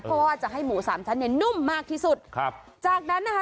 เพราะว่าจะให้หมูสามชั้นเนี่ยนุ่มมากที่สุดครับจากนั้นนะคะ